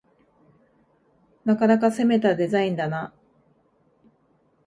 なかなか攻めたデザインだな